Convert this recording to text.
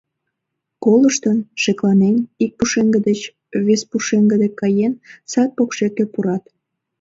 Колыштын, шекланен, ик пушеҥге деч вес пушеҥге дек каен, сад покшеке пурат.